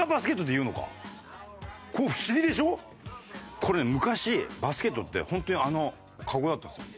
これね昔バスケットって本当にあのカゴだったんですよ。